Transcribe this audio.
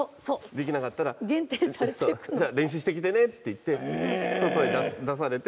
できなかったら「じゃあ練習してきてね」って言って外へ出されて。